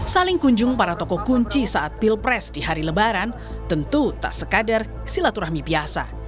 saling kunjung para tokoh kunci saat pilpres di hari lebaran tentu tak sekadar silaturahmi biasa